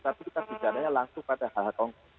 tapi kita bicaranya langsung pada hal hal konkret